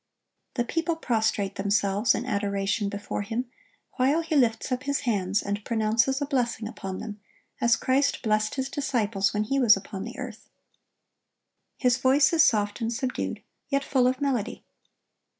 The people prostrate themselves in adoration before him, while he lifts up his hands, and pronounces a blessing upon them, as Christ blessed His disciples when He was upon the earth. His voice is soft and subdued, yet full of melody.